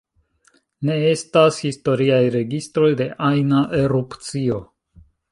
Ne estas historiaj registroj de ajna erupcio.